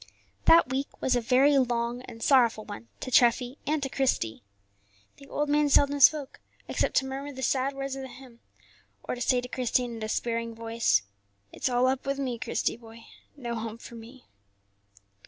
That week was a very long and sorrowful one to Treffy and to Christie. The old man seldom spoke, except to murmur the sad words of the hymn, or to say to Christie in a despairing voice, "It's all up with me, Christie, boy; no home for me."